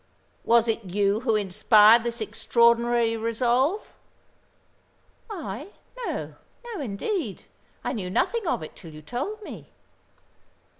"Was it you who inspired this extraordinary resolve?" "I? No, indeed. I knew nothing of it till you told me."